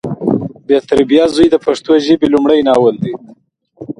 بې تربیه زوی د پښتو ژبې لمړی ناول دی